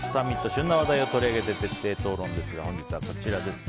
旬な話題を取り上げて徹底討論ですが本日はこちらです。